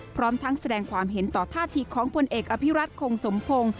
พร้อมทั้งแสดงความเห็นต่อท่าทีของผลเอกอภิรัตคงสมพงศ์